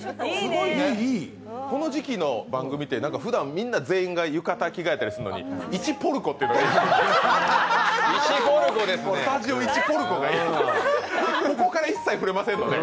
この時期の番組ってふだんみんな浴衣に着替えたりするのにいちポルコっていうのがいいね。